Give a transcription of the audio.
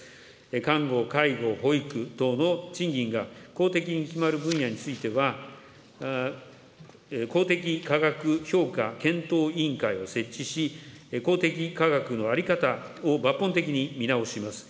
看護、介護、保育等の賃金が公的に決まる分野については、公的価格評価検討委員会を設置し、公的価格の在り方を抜本的に見直します。